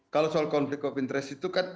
kalau soal konflik of interest itu kan